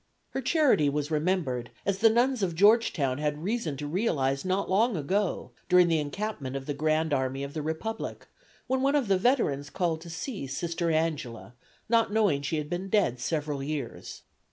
Her charity was remembered, as the nuns of Georgetown had reason to realize not long ago, during the encampment of the Grand Army of the Republic, when one of the veterans called to see "Sister Angela," not knowing she had been dead several years.